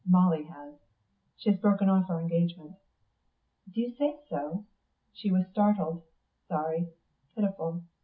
Molly has. She has broken off our engagement." "Do you say so?" She was startled, sorry, pitiful.